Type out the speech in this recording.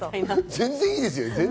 全然いいですよ。